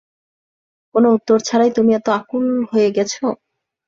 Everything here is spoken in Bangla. কোন উত্তর ছাড়াই তুমি এত আকুল হয়ে গেছো?